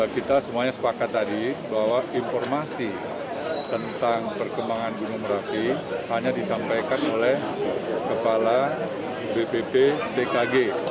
kita semuanya sepakat tadi bahwa informasi tentang perkembangan gunung merapi hanya disampaikan oleh kepala bpp bkg